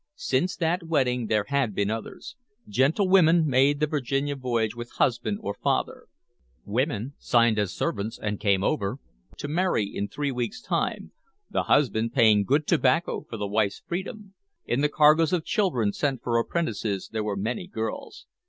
Since that wedding there had been others. Gentlewomen made the Virginia voyage with husband or father; women signed as servants and came over, to marry in three weeks' time, the husband paying good tobacco for the wife's freedom; in the cargoes of children sent for apprentices there were many girls.